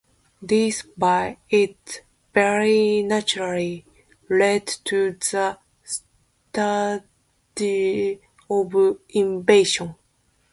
This, by its very nature, led to the strategy of invasion.